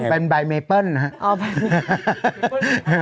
เป็นใบเมเปิ้ลนะฮะ